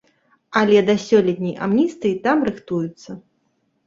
Але да сёлетняй амністыі там рыхтуюцца.